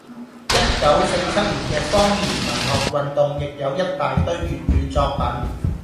一九四七年嘅方言文學運動亦有一大堆粵語作品